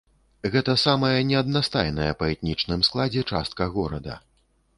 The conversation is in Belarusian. Гэта самая неаднастайная па этнічным складзе частка горада.